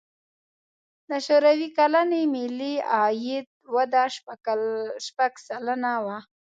د شوروي کلني ملي عاید وده شپږ سلنه وه.